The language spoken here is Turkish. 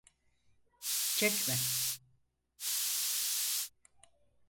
Çekme!